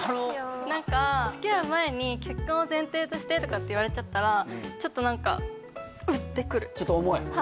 何か付き合う前に「結婚を前提として」とかって言われちゃったらちょっと何かうっ！って来るちょっと重い？